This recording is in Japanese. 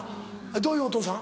どういうお父さん？